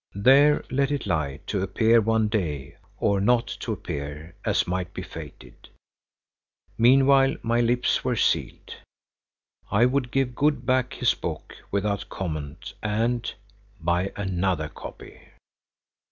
There let it lie to appear one day, or not to appear, as might be fated. Meanwhile my lips were sealed. I would give Good back his book without comment and—buy another copy!